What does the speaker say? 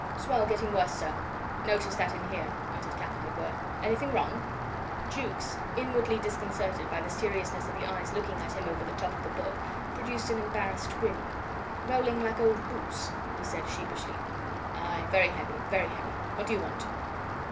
"Swell getting worse, sir." "Noticed that in here," muttered Captain MacWhirr. "Anything wrong?" Jukes, inwardly disconcerted by the seriousness of the eyes looking at him over the top of the book, produced an embarrassed grin. "Rolling like old boots," he said, sheepishly. "Aye! Very heavy very heavy. What do you want?"